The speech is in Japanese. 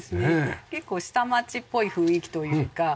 結構下町っぽい雰囲気というか。